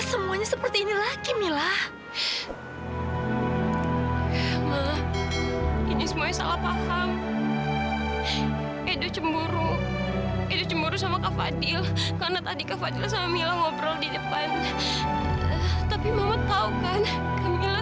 sampai jumpa di video selanjutnya